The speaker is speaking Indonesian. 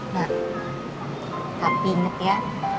mbak tapi inget ya